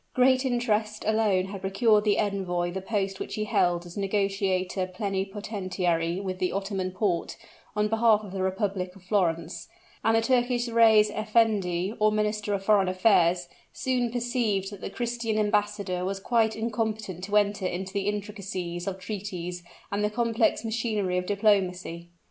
Great interest had alone procured the envoy the post which he held as negotiator plenipotentiary with the Ottoman Porte, on behalf of the Republic of Florence; and the Turkish reis effendi, or minister of foreign affairs, soon perceived that the Christian embassador was quite incompetent to enter into the intricacies of treaties and the complex machinery of diplomacy.